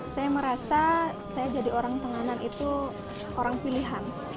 saya merasa saya jadi orang tenganan itu orang pilihan